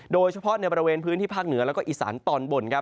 โดยเฉพาะในบริเวณพื้นที่ภาคเหนือแล้วก็อีสานตอนบนครับ